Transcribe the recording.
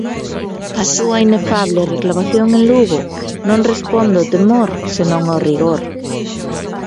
A súa inefable reclamación en Lugo non responde ao "temor", senón ao "rigor".